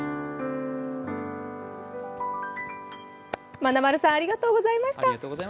まなまるさんありがとうございました。